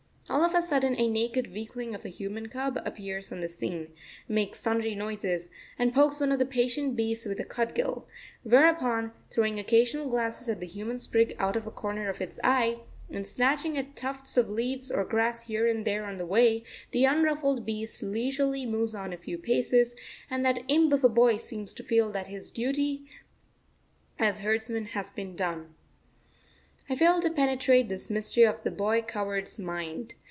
All of a sudden a naked weakling of a human cub appears on the scene, makes sundry noises, and pokes one of the patient beasts with a cudgel, whereupon, throwing occasional glances at the human sprig out of a corner of its eye, and snatching at tufts of leaves or grass here and there on the way, the unruffled beast leisurely moves on a few paces, and that imp of a boy seems to feel that his duty as herdsman has been done. I fail to penetrate this mystery of the boy cowherd's mind.